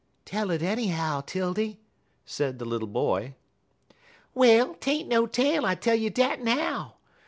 "Tell it, anyhow, 'Tildy," said the little boy. "Well, 't ain't no tale, I tell you dat now.